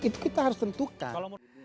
itu kita harus tentukan